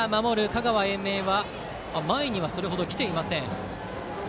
香川・英明は前にはそれほど来ていません。